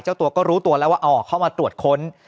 เจ้าตัวก็รู้ตัวแล้วว่าเอาเข้ามาตรวจค้น